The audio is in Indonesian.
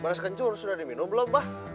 beras kencur sudah diminum belum bah